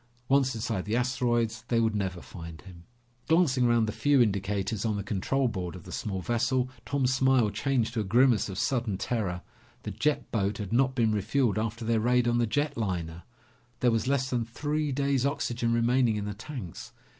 Once inside the asteroids, they would never find him. Glancing around the few indicators on the control board of the small vessel, Tom's smile changed to a grimace of sudden terror. The jet boat had not been refueled after their raid on the jet liner. There was less than three days' oxygen remaining in the tanks.